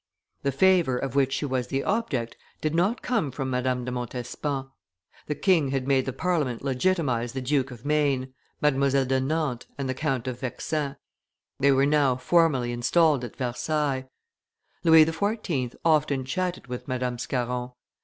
The favor of which she was the object did not come from Madame de Montespan. The king had made the Parliament legitimatize the Duke of Maine, Mdlle. de Nantes, and the Count of Vexin; they were now formally installed at Versailles. Louis XIV. often chatted with Madame Scarron.